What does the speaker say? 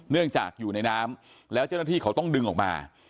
เนื่องจากอยู่ในน้ำแล้วเจ้าหน้าที่เขาต้องดึงออกมา